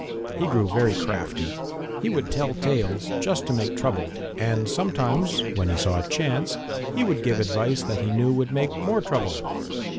He grew very crafty. He would tell tales just to make trouble, and sometimes, when he saw a chance, he would give advice that he knew would make more trouble.